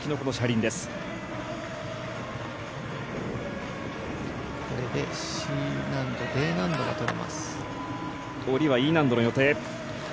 下りはＥ難度の予定。